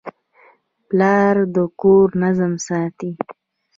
پلار د کور نظم ساتي.